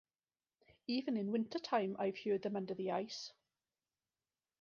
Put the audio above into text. Even in winter-time I’ve heard them under the ice.